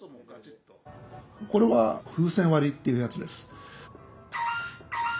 これは風船割りっていうやつです。